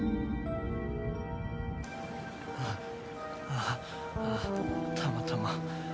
ああたまたま。